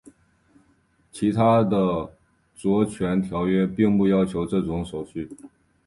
其他着作权条约并不要求这种手续。